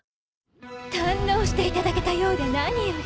堪能していただけたようで何より。